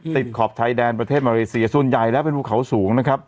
ติดขอบไทยแดนประเทศมาเลเซียส่วนใหญ่แล้วเป็นบุคเขาสูง